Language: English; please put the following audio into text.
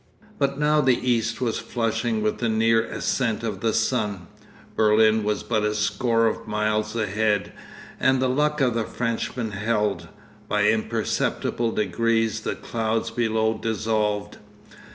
But now the east was flushing with the near ascent of the sun, Berlin was but a score of miles ahead, and the luck of the Frenchmen held. By imperceptible degrees the clouds below dissolved....